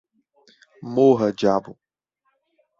Morra, diabo!